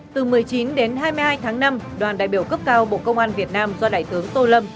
từ một mươi chín đến hai mươi hai tháng năm đoàn đại biểu cấp cao bộ công an việt nam do đại tướng tô lâm